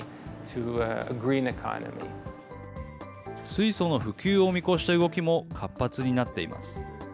水素の普及を見越した動きも活発になっています。